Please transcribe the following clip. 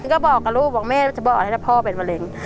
ก็บอกกับลูกบอกแม่จะบอกให้ถ้าพ่อเป็นมะเร็ง